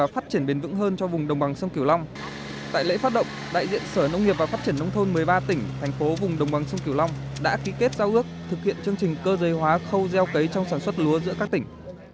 phát triển nông thôn một mươi ba tỉnh thành phố vùng đồng bằng sông kiều long đã ký kết giao ước thực hiện chương trình cơ giới hóa khâu gieo cấy trong sản xuất lúa giữa các tỉnh